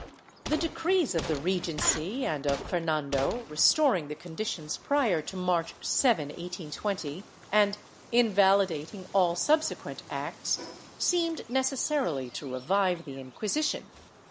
The decrees of the Regency and of Fernando, restoring the conditions prior to March 7, 1820, and invalidating all subsequent acts, seemed necessarily to revive the Inquisition.